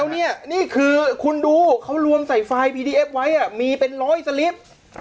นี่นี่คือคุณดูเขารวมใส่ไฟล์พีดีเอฟไว้มีเป็นร้อยสลิป